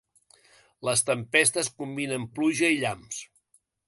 Les tempestes combinen pluja i llamps.